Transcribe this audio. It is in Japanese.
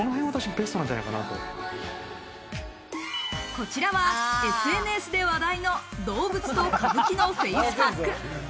こちらはＳＮＳで話題の、動物と歌舞伎のフェイスパック。